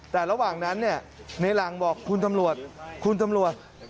แต่ระหว่างนั้นเนี่ยในหลังบอกคุณตำรวจคุณตำรวจ